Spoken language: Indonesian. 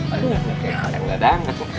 aduh yaudah yaudah yaudah